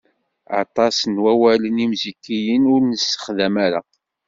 Aṭas n wawalen imzikiyen ur nessexdam ara.